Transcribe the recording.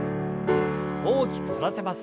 大きく反らせます。